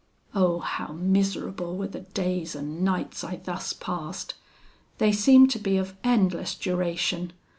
"Oh! how miserable were the days and nights I thus passed! They seemed to be of endless duration.